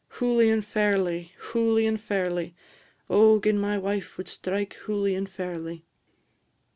Hooly and fairly, hooly and fairly; O gin my wife wad strike hooly and fairly!